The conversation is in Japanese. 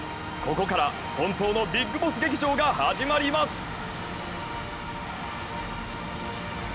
ここから本当のＢＩＧＢＯＳＳ劇場が始まります。